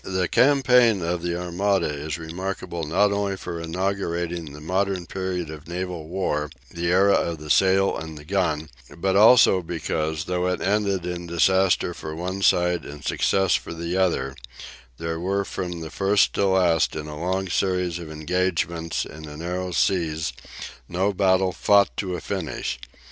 The campaign of the Armada is remarkable not only for inaugurating the modern period of naval war, the era of the sail and the gun, but also because, though it ended in disaster for one side and success for the other, there was from first to last in the long series of engagements in the narrow seas no battle "fought to a finish."